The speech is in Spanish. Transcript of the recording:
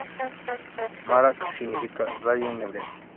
Barac ברק significa rayo en hebreo.